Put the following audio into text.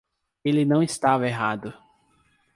Ele não estava errado